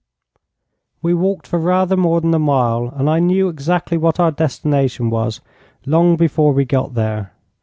We walked for rather more than a mile, and I knew exactly what our destination was, long before we got there.